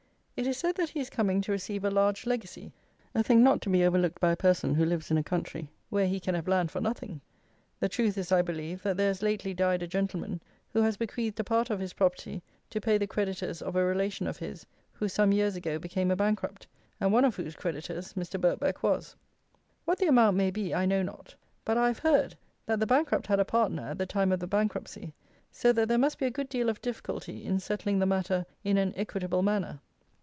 It is said that he is coming to receive a large legacy; a thing not to be overlooked by a person who lives in a country where he can have land for nothing! The truth is, I believe, that there has lately died a gentleman, who has bequeathed a part of his property to pay the creditors of a relation of his who some years ago became a bankrupt, and one of whose creditors Mr. Birkbeck was. What the amount may be I know not; but I have heard, that the bankrupt had a partner at the time of the bankruptcy; so that there must be a good deal of difficulty in settling the matter in an equitable manner.